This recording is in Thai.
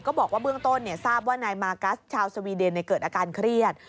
บอกว่าเบื้องต้นทราบว่านายมากัสชาวสวีเดนเกิดอาการเครียด